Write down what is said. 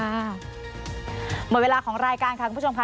หมดเวลาของรายการค่ะคุณผู้ชมค่ะ